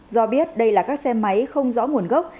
do biết đây là các xe máy không rõ nguồn gốc